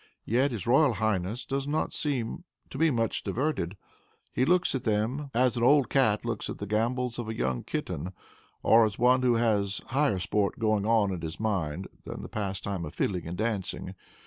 Yet his royal highness does not seem to be much diverted. He looks at them as an old cat looks at the gambols of a young kitten; or as one who has higher sport going on in his mind than the pastime of fiddling and dancing.